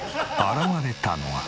現れたのは。